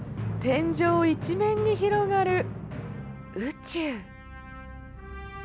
天井一面に広がる宇宙！